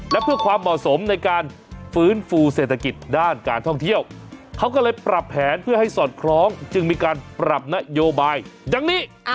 และเพื่อความเหมาะสมในการฟื้นฟูเศรษฐกิจด้านการท่องเที่ยวเขาก็เลยปรับแผนเพื่อให้สอดคล้องจึงมีการปรับนโยบายดังนี้